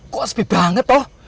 kok sepi banget toh